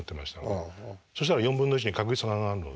そしたら４分の１に確率が上がるので。